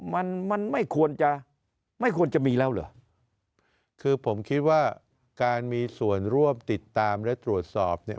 มันมันไม่ควรจะไม่ควรจะมีแล้วเหรอคือผมคิดว่าการมีส่วนร่วมติดตามและตรวจสอบเนี่ย